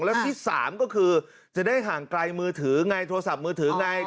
แล้วที่สามก็คือจะได้ห่างไกลมือถือไงโทรศัพท์มือถือไง